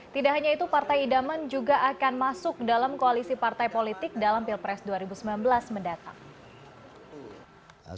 tidak hanya itu partai idaman juga akan masuk dalam koalisi partai politik dalam pilpres dua ribu sembilan belas mendatang